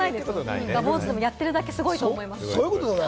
三日坊主でも、やってるだけすごいと思います。